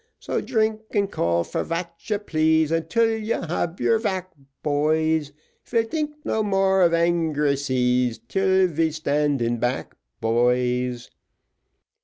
So drink, and call for vat you please. Until you hab your vack, boys; Ve'll think no more of angry seas, Till ve standen back, boys.